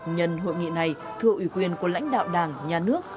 nhân hội nghị này thưa ủy quyền của lãnh đạo đảng nhà nước